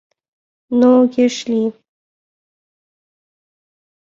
Но огеш лий.